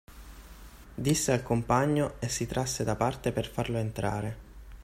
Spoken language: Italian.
Disse al compagno e si trasse da parte per farlo entrare.